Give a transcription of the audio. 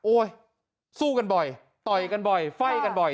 สู้กันบ่อยต่อยกันบ่อยไฟ่กันบ่อย